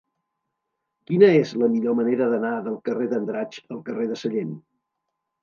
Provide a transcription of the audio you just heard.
Quina és la millor manera d'anar del carrer d'Andratx al carrer de Sallent?